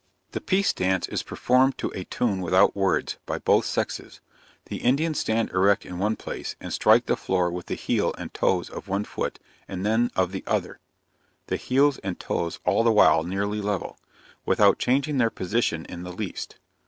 The peace dance is performed to a tune without words, by both sexes. The Indians stand erect in one place, and strike the floor with the heel and toes of one foot, and then of the other, (the heels and toes all the while nearly level,) without changing their position in the least.